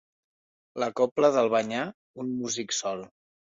La cobla d'Albanyà: un músic sol.